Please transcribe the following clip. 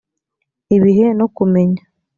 ibihe no kumenya